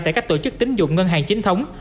tại các tổ chức tính dụng ngân hàng chính thống